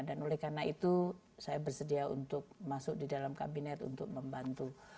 dan oleh karena itu saya bersedia masuk di dalam kabinet untuk membantu